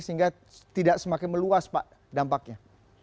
sehingga tidak semakin meluas pak dampaknya